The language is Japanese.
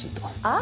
あ！